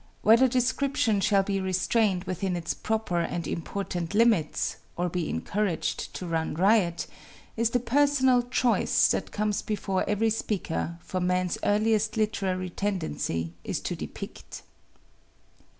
Whether description shall be restrained within its proper and important limits, or be encouraged to run riot, is the personal choice that comes before every speaker, for man's earliest literary tendency is to depict.